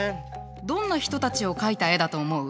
どんな人たちを描いた絵だと思う？